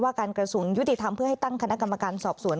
การกระทรวงยุติธรรมเพื่อให้ตั้งคณะกรรมการสอบสวน